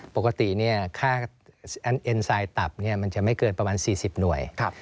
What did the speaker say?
ปกติค่าเอ็นไซด์ตับมันจะไม่เกินประมาณ๔๐หน่วย